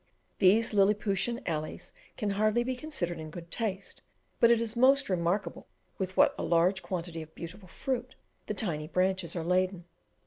These lilliputian alleys can hardly be considered in good taste, but it is most remarkable with what a large quantity of beautiful fruit the tiny branches are laden.